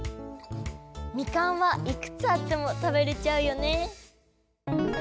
みかんはいくつあっても食べれちゃうよね。